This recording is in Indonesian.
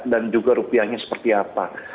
dan juga rupiahnya seperti apa